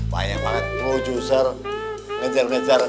bayang banget produser ngejar ngejar